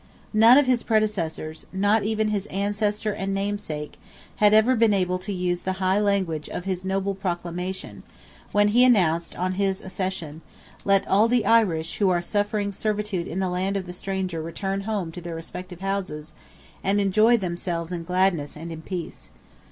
None of his predecessors, not even his ancestor and namesake, had ever been able to use the high language of his "noble Proclamation," when he announced on his accession—"Let all the Irish who are suffering servitude in the land of the stranger return home to their respective houses and enjoy themselves in gladness and in peace."